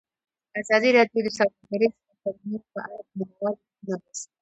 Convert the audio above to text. ازادي راډیو د سوداګریز تړونونه په اړه د مینه والو لیکونه لوستي.